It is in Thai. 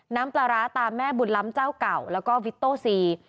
นำปลาร้าตาแม่บุญล้ำเจ้าเก่าแล้วก็สี่